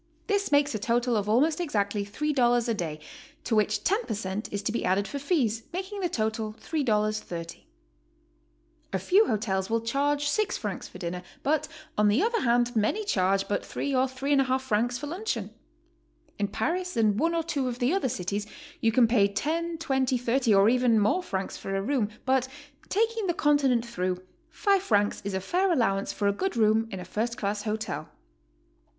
This makes a total of almost exactly $3 a day, to which 10 per cent, is to be added for fees, making the total $3.30. A few hotels will charge 6 francs for dinner, but on the other hand, many charge but 3 or 33/2 francs for luncheon. In Paris and one or two of the other cities you can pay 10, 20, 30 or even more francs for a room, but taking the Continent through, 5 francs is a fair allowance for a good room in a first class hotel.